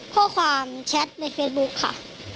ข้อความแชทในเฟซบุ๊คค่ะ